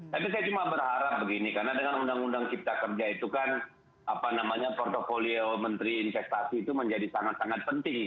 tapi saya cuma berharap begini karena dengan undang undang cipta kerja itu kan portfolio menteri investasi itu menjadi sangat sangat penting